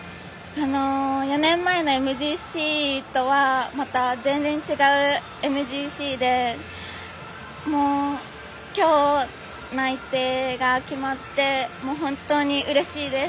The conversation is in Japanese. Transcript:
４年前のＭＧＣとは全然違うＭＧＣで今日内定が決まって本当にうれしいです。